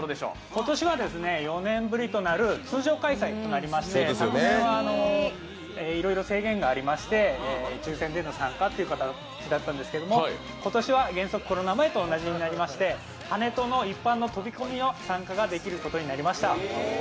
今年は４年ぶりとなる通常開催となりまして、昨年はいろいろ制限がありまして抽選での参加という形だったんですけど、今年は原則コロナ前と同じになりまして、跳人の一般の飛び込みの参加もできるようになりました。